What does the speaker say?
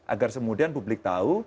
agar kemudian publik tahu